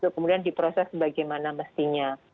kemudian diproses bagaimana mestinya